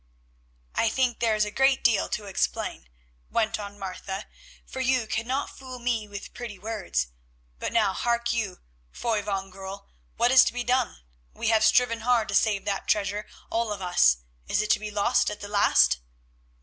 "I think there is a great deal to explain," went on Martha, "for you cannot fool me with pretty words. But now, hark you, Foy van Goorl, what is to be done? We have striven hard to save that treasure, all of us; is it to be lost at the last?"